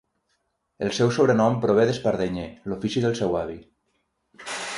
El seu sobrenom prové d'espardenyer, l'ofici del seu avi.